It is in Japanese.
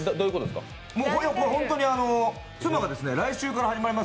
妻が来週から始まります